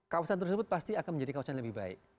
kawasan tersebut pasti akan menjadi kawasan yang lebih baik